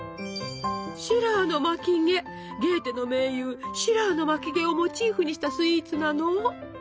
ゲーテの盟友シラーの巻き毛をモチーフにしたスイーツなの。